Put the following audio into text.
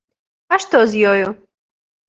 А што з ёю?